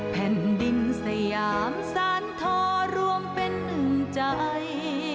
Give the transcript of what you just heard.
แผ่นดินสยามสานทอรวมเป็นใจ